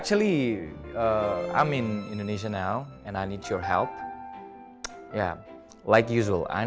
saya di indonesia sekarang dan saya butuh bantuan